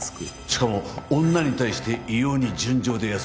しかも女に対して異様に純情で優しい。